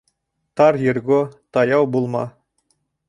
Тар ерго таяу булма.